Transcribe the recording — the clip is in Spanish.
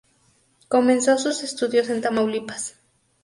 Comenzó sus estudios en Tamaulipas.